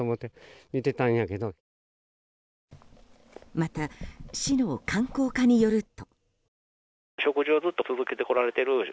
また、市の観光課によると。